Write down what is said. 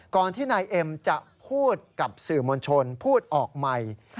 ก่อนที่นายเอ็มจะพูดกับสื่อมวลชนพูดออกใหม่